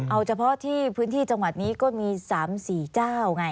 เอาเฉพาะภาษีที่จังหวัดนี้ก็มีสามสี่เจ้าไง